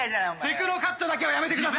テクノカットだけはやめてください！